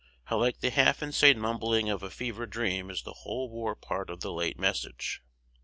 How like the half insane mumbling of a fever dream is the whole war part of the late Message!